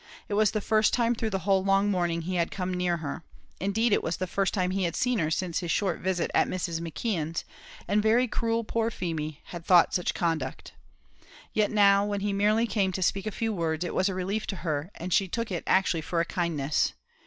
It was the first time through the whole long morning he had come near her; indeed, it was the first time he had seen her since his short visit at Mrs. McKeon's, and very cruel poor Feemy had thought such conduct. Yet now, when he merely came to speak a few words, it was a relief to her, and she took it actually for a kindness.